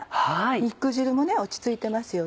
肉汁も落ち着いてますよね。